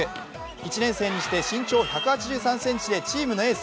１年生にして身長１８３ｃｍでチームのエース。